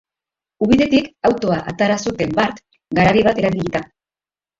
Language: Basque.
Ubidetik autoa atera zuten bart garabi bat erabilita.